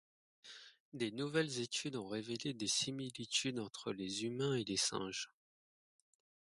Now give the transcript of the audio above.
De nouvelles études ont révélé des similitudes entre les humains et les singes.